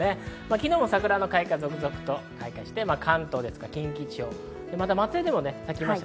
昨日も桜の開花、続々と開花して関東、近畿地方、松江でも咲きました。